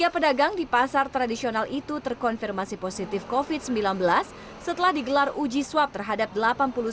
tiga pedagang di pasar tradisional itu terkonfirmasi positif covid sembilan belas setelah digelar uji swab terhadap delapan puluh satu pedagang dua pekan lalu